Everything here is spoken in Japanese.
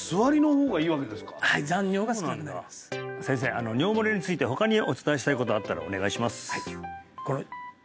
はい残尿が少なくなります先生尿もれについて他にお伝えしたいことあったらお願いします